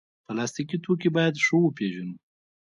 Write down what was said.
پلاستيکي توکي باید ښه وپیژنو.